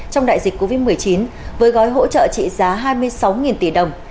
trong đại dịch covid một mươi chín với gói hỗ trợ trị giá hai mươi sáu tỷ đồng